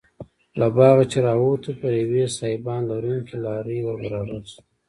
له باغه چې راووتو پر یوې سایبان لرونکې لارې وربرابر شوو.